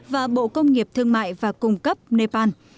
và bộ công nghiệp thương mại và cung cấp nepal